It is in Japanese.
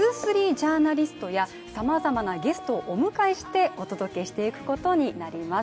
ジャーナリストやさまざまはゲストをお迎えしてお届けしていくことになります。